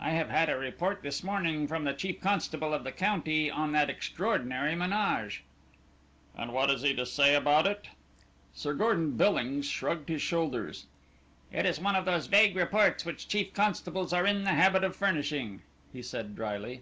"I have had a report this morning from the chief constable of the county on that extraordinary menage." "And what has he to say about it?" Sir Gordon Billings shrugged his shoulders. "It is one of those vague reports which chief constables are in the habit of furnishing," he said, drily.